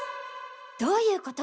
どういうこと？